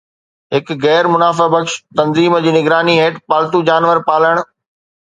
هڪ غير منافع بخش تنظيم جي نگراني هيٺ پالتو جانور پالڻ